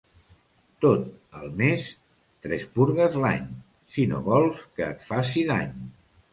Tot el més tres purgues l'any, si no vols que et faci dany.